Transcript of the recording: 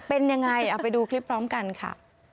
เป็นยังไงเอาไปดูคลิปพร้อมกันค่ะ